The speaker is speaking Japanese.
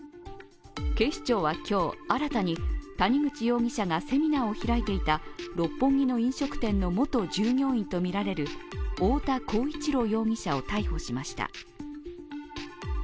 警視庁は今日新たに谷口容疑者がセミナーを開いていた六本木の飲食店の元従業員とみられる太田浩一朗容疑者を逮捕しました。